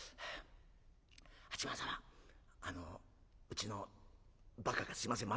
八幡様あのうちのバカがすいません。